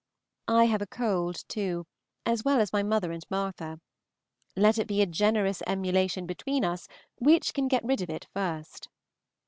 I have a cold, too, as well as my mother and Martha. Let it be a generous emulation between us which can get rid of it first.